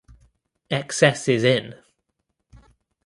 Excess is in!